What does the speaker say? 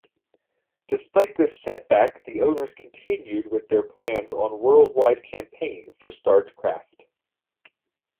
Despite this setback the owners continued with their plans on worldwide campaign for Starcraft.